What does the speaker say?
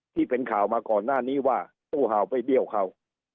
ที่เป็นข่าวมาก่อนหน้านี้ว่าตู้เห่าไปเบี้ยวเขา